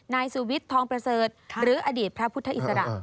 นายสุวิทย์ทองประเสริฐหรืออดีตพระพุทธอิสระ